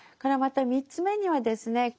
また３つ目にはですね